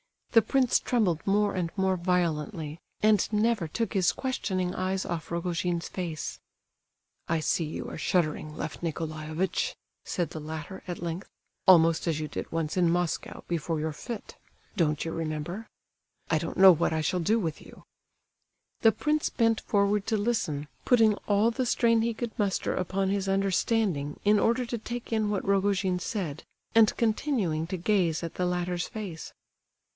The prince trembled more and more violently, and never took his questioning eyes off Rogojin's face. "I see you are shuddering, Lef Nicolaievitch," said the latter, at length, "almost as you did once in Moscow, before your fit; don't you remember? I don't know what I shall do with you—" The prince bent forward to listen, putting all the strain he could muster upon his understanding in order to take in what Rogojin said, and continuing to gaze at the latter's face.